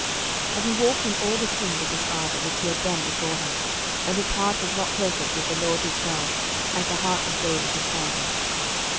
11:015:003 And he walked in all the sins of his father, which he had done before him: and his heart was not perfect with the LORD his God, as the heart of David his father.